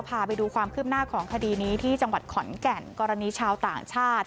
พาไปดูความคืบหน้าของคดีนี้ที่จังหวัดขอนแก่นกรณีชาวต่างชาติ